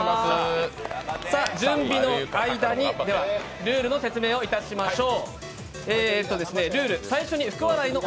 準備の間にルールの説明をいたしましょう。